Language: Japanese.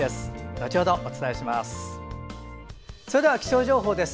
後ほどお伝えします。